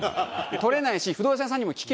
取れないし不動産屋さんにも聞けないです。